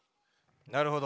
なるほど。